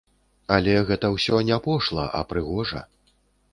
Але гэта ўсё не пошла, а прыгожа.